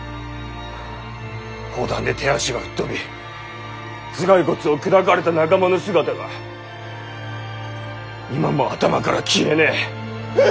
砲弾で手足が吹っ飛び頭蓋骨を砕かれた仲間の姿が今も頭から消えねぇ。